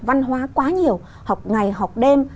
văn hóa quá nhiều học ngày học đêm